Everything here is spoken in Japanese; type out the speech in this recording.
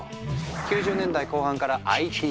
９０年代後半からＩＴブーム。